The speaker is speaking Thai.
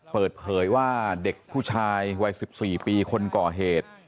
เปิดเผยว่าเด็กผู้ชายวัย๑๔ปีคนก่อเหตุ